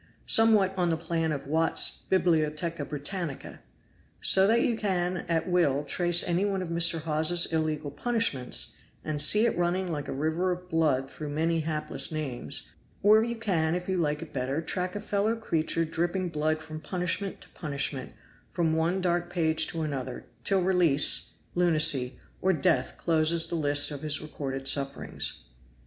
Somewhat on the plan of 'Watt's Bibliotheca Britannica.' So that you can at will trace any one of Mr. Hawes's illegal punishments, and see it running like a river of blood through many hapless names; or you can, if you like it better, track a fellow creature dripping blood from punishment to punishment, from one dark page to another, till release, lunacy, or death closes the list of his recorded sufferings."